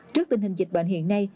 trước tình hình dịch bệnh hiện nay